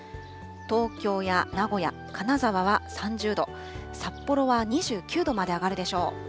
東京や名古屋、金沢は３０度、札幌は２９度まで上がるでしょう。